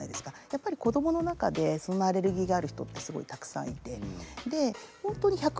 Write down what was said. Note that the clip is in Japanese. やっぱり子供の中でそのアレルギーがある人ってすごいたくさんいて。